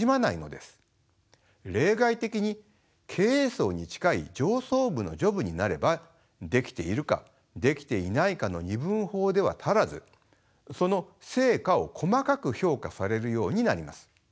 例外的に経営層に近い上層部のジョブになればできているかできていないかの二分法では足らずその成果を細かく評価されるようになります。